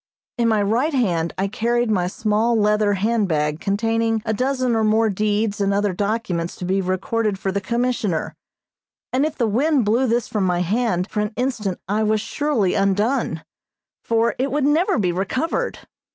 In my right hand I carried my small leather handbag containing a dozen or more deeds and other documents to be recorded for the Commissioner, and if the wind blew this from my hand for an instant I was surely undone, for it would never be recovered.